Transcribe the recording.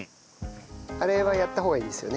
あれはやった方がいいですよね。